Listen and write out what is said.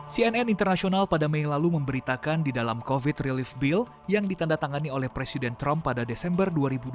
cnn internasional pada mei lalu memberitakan di dalam covid relief bill yang ditanda tangani oleh presiden trump pada desember dua ribu dua puluh